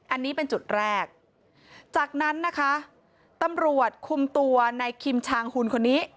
อันนี้เป็นจุดแรกจากนั้นนะคะตำรวจคุมตัวในคิมชางหุ่นคนนี้